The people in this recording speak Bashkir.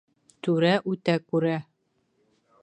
Түрә үтә күрә.